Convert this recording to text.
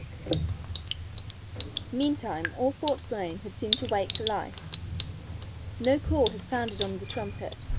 Meantime all Fort Frayne had seemed to wake to life. No call had sounded on the trumpet.